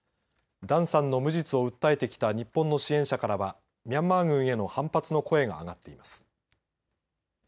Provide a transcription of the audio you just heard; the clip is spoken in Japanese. ダンさんの無実を訴えてきた日本の支援者からはミャンマー軍への反発の声が上がっています。